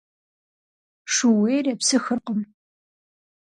Шууейр епсыхыркъым.